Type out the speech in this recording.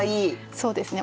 そうですね